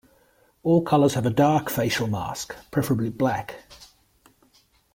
All colors have a dark facial mask, preferably black.